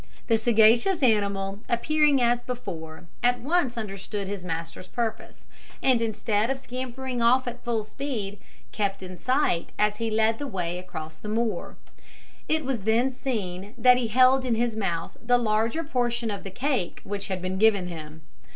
The sagacious animal appearing as before, at once understood his master's purpose, and instead of scampering off at full speed, kept in sight as he led the way across the moor. It was then seen that he held in his mouth the larger portion of the cake which had been given him.